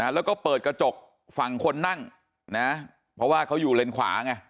แล้วก็เปิดกระจกฝั่งคนนั่งนะเพราะว่าเขาอยู่เลนขวาไง